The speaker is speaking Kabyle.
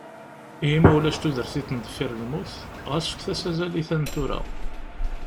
Ihi ma ulac tudert-iḍen deffir lmut, ɣas fket-as azal i ta n tura.